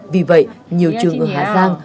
vì vậy nhiều trường ở hà giang